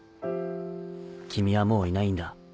君はもういないんだ